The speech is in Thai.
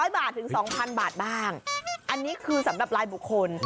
๐บาทถึง๒๐๐บาทบ้างอันนี้คือสำหรับรายบุคคล